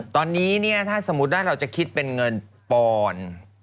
ตอนนี้เนี่ยถ้าสมมุติว่าเราจะคิดเป็นเงินปอน